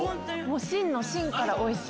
心の心からおいしい。